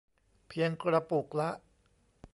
เพียงกระปุกละ